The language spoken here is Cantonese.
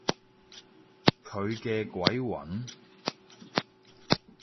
佢嘅鬼魂？